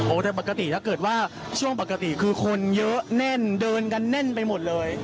แต่ปกติถ้าเกิดว่าช่วงปกติคือคนเยอะแน่นเดินกันแน่นไปหมดเลย